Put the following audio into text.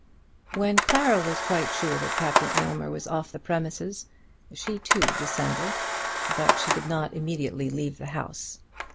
When Clara was quite sure that Captain Aylmer was off the premises, she, too, descended, but she did not immediately leave the house.